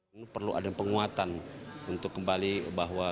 ini perlu ada penguatan untuk kembali bahwa